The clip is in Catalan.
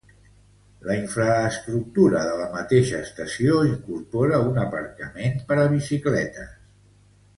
La infraestructura de la mateixa estació incorpora un aparcament per a bicicletes.